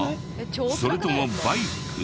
それともバイク？